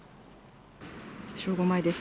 正午前です。